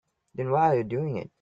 Then why are you doing it?